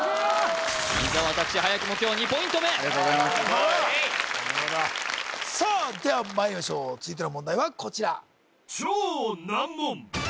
伊沢拓司早くも今日２ポイント目ありがとうございますさあではまいりましょう続いての問題はこちら